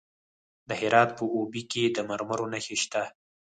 د هرات په اوبې کې د مرمرو نښې شته.